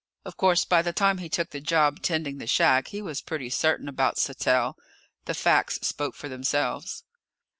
Of course, by the time he took the job tending the shack, he was pretty certain about Sattell. The facts spoke for themselves.